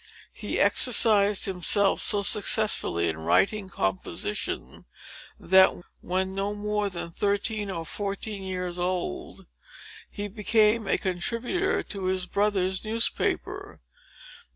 He exercised himself so successfully in writing composition, that, when no more than thirteen or fourteen years old, he became a contributor to his brother's newspaper.